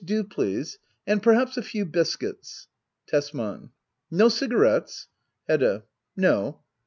Yes, do, please ; and perhaps a few biscuits. Tesman. No cigarettes ? Hedda. No.